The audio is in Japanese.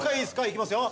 いきますよ